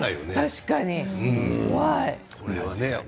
確かに怖い。